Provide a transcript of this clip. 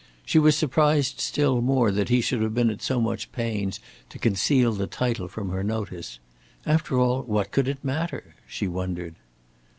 She was surprised still more that he should have been at so much pains to conceal the title from her notice. After all, what could it matter? she wondered.